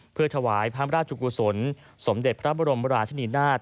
เพื่อถวายพระราชกุศลสมเด็จพระบรมราชนีนาฏ